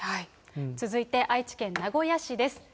続いて愛知県名古屋市です。